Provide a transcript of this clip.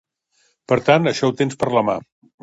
Per tant, això ho tens per la mà.